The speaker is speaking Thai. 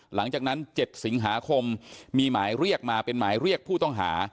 หลังจากนั้น๗สิงหาคมมีหมายเรียกมาเป็นหมายเรียกผู้ต้องหา